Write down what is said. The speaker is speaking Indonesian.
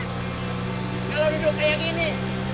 kalau duduk kayak gini